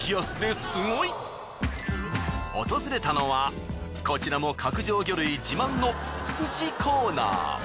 訪れたのはこちらも角上魚類自慢のお寿司コーナー。